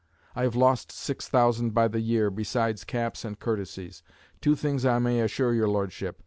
I have lost six thousand by the year, besides caps and courtesies. Two things I may assure your Lordship.